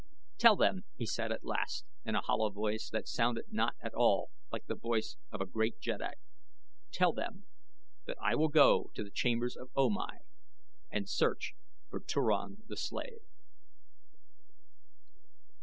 "Tell them," he said at last in a hollow voice that sounded not at all like the voice of a great jeddak; "tell them that I will go to the chambers of O Mai and search for Turan the slave."